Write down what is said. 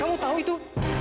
kamu tahu itu